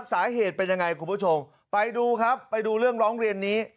สาเหตุเป็นยังไงคุณผู้ชมไปดูครับไปดูเรื่องร้องเรียนนี้